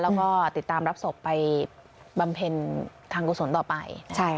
แล้วก็ติดตามรับศพไปบำเพ็ญทางกุศลต่อไป